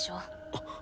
あっ。